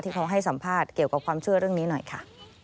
เขาให้สัมภาษณ์เกี่ยวกับความเชื่อเรื่องนี้หน่อยค่ะ